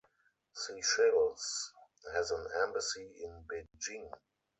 Seychelles has an embassy in Beijing.